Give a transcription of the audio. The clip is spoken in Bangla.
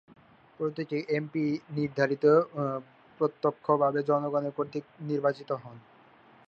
প্রতিটি এমপি, প্রতিনিধিরা প্রত্যক্ষভাবে জনগণ কর্তৃক নির্বাচিত হন।